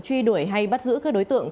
truy đuổi hay bắt giữ các đối tượng